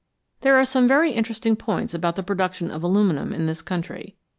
There are some very interesting points about the production of aluminium in this country.